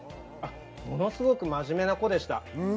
ものすごく真面目な子でした。